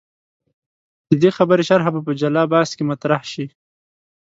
د دې خبرې شرحه په جلا بحث کې مطرح شي.